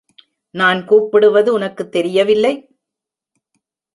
நான் கூப்பிடுவது உனக்குத் தெரியவில்லை?